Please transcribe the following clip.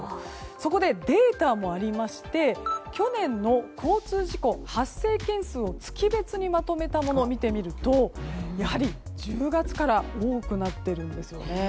そこで、データもありまして去年の交通事故発生件数を月別にまとめたものを見てみるとやはり１０月から多くなっているんですよね。